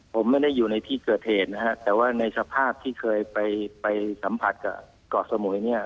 ผมไม่ได้อยู่ในที่เกิดเหตุนะฮะแต่ว่าในสภาพที่เคยไปสัมผัสกับเกาะสมุยเนี่ย